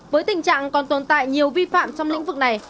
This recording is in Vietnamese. với tình trạng còn tồn tại nhiều vi phạm trong lĩnh vực này